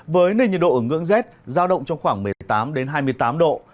với nền nhiệt độ ở ngưỡng rét giao động trong khoảng một mươi tám hai mươi tám độ